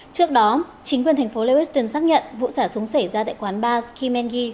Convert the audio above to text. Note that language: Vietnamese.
trước đó chính quyền thành phố lewiston xác nhận vụ sả súng xảy ra tại quán bar skimengi